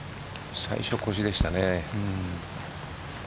最初腰でしたね。